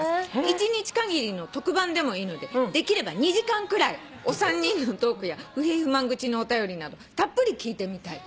「一日限りの特番でもいいのでできれば２時間くらいお三人のトークや不平不満愚痴のお便りなどたっぷり聞いてみたい」